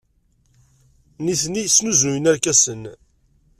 Nitni snuzuyen irkasen.